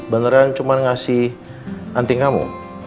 beneran cuma ngasih anting kamu